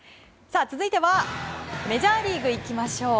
続いてはメジャーリーグいきましょう。